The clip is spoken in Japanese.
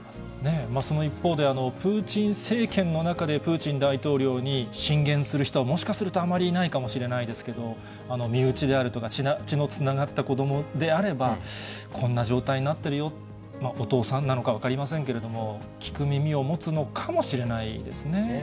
その一方で、プーチン政権の中でプーチン大統領に進言する人は、もしかするとあまりいないかもしれませんけれども、身内であるとか、血のつながった子どもであれば、こんな状態になっているよ、お父さんなのか分かりませんけれども、聞く耳を持つのかもしれないですね。